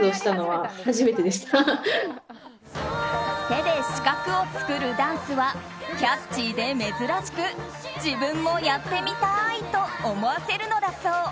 手で四角を作るダンスはキャッチーで珍しく自分もやってみたいと思わせるのだそう。